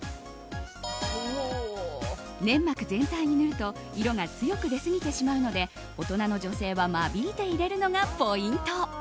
粘膜全体に塗ると色が強く出すぎてしまうので大人の女性は間引いて入れるのがポイント。